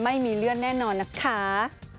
ไม่มีเลือดแน่นอนนะคะ